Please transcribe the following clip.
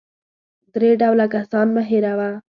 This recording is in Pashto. درې ډوله کسان مه هېروه .